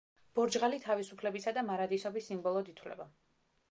ბორჯღალი თავისუფლებისა და მარადისობის სიმბოლოდ ითვლება.